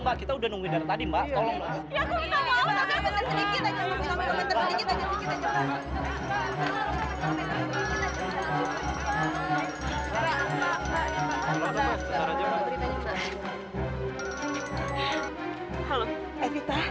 hai kita udah nungguin tadi mbak tolong